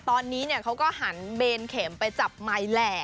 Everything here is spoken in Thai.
ตอนนี้เขาก็หันเบนเข็มไปจับไมค์แหละ